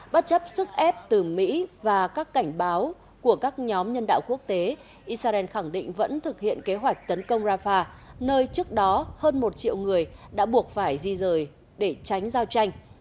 bất chấp sức ép từ mỹ và các cảnh báo của các nhóm nhân đạo quốc tế israel khẳng định vẫn thực hiện kế hoạch tấn công rafah nơi trước đó hơn một triệu người đã buộc phải di rời để tránh giao tranh